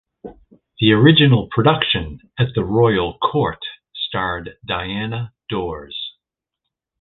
The original production at the Royal Court starred Diana Dors.